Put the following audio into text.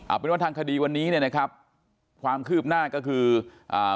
เอาเป็นว่าทางคดีวันนี้เนี่ยนะครับความคืบหน้าก็คืออ่า